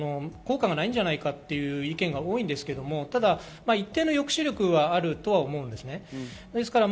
街の声で効果がないんじゃないかという意見が多いんですけれど、一定の抑止力はあると思います。